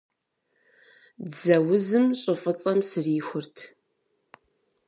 Дзэ узым щӀы фӀыцӀэм срихурт.